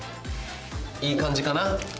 いい感じかな？